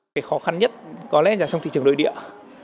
cái khó khăn nhất có lẽ là trong thị trường nội địa